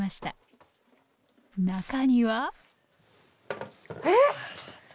中にはええ！